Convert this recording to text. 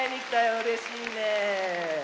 うれしいねえ。